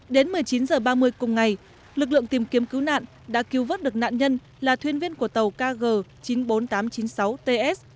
đến một mươi chín h ba mươi cùng ngày lực lượng tìm kiếm cứu nạn đã cứu vớt được nạn nhân là thuyền viên của tàu kg chín mươi bốn nghìn tám trăm chín mươi sáu ts